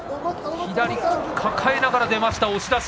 右から抱えながら出ました押し出し。